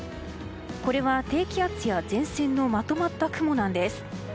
これは低気圧や前線のまとまった雲なんです。